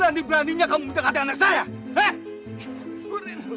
berani beraninya kamu mendekati anak saya ha